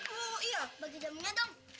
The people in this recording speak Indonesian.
oh iya bagi jamunya dong